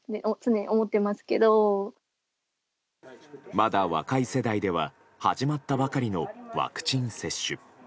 まだ、若い世代では始まったばかりのワクチン接種。